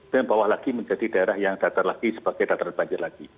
dan bawah lagi menjadi daerah yang datar lagi sebagai dataran banjir lagi